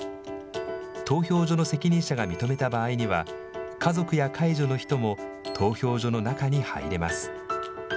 投票所の責任者が認めた場合には、家族や介助の人も投票所の中に入れます。